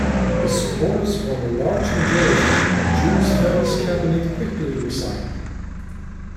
His supporters won a large majority, and Jules Ferry's cabinet quickly resigned.